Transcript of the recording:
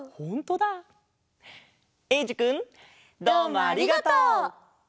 どうもありがとう！